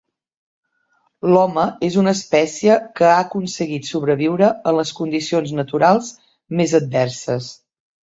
L'home és una espècie que ha aconseguit sobreviure en les condicions naturals més adverses.